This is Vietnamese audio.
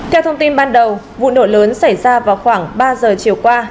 theo thông tin ban đầu vụ nổ lớn xảy ra vào khoảng ba giờ chiều qua